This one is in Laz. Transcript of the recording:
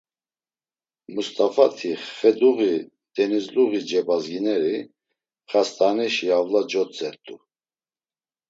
Must̆afati xeduği denuzluği cebazgineri xast̆aaneşi avla cotzert̆u.